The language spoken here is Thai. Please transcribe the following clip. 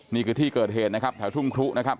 นี้คือที่เกิดเหตุแถวทุ่มครุนะครับ